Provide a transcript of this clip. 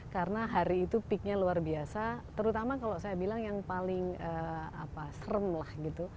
karena hari itu peaknya luar biasa terutama kalau saya bilang yang paling apa serem lah gitu